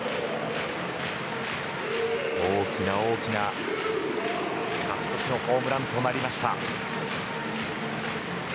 大きな大きな勝ち越しのホームランとなりました。